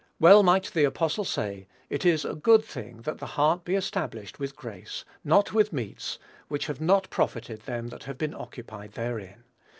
Well might the apostle say, "it is a good thing that the heart be established with grace: not with meats, which have not profited them that have been occupied therein."